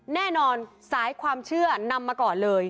แน่นอนสายความเชื่อนำมาก่อนเลย